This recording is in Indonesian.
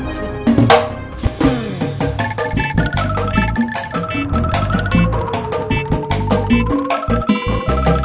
sebenarnya kita maaf